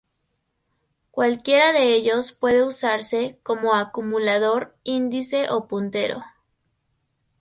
Cualquiera de ellos puede usarse como acumulador, índice o puntero.